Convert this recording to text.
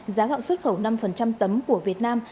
giá gạo xuất khẩu năm tấm của việt nam